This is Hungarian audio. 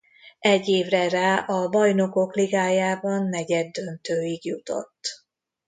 Egy évre rá a Bajnokok Ligájában negyeddöntőig jutott.